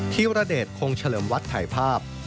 ธีรเดชคงเฉลิมวัดถ่ายภาพ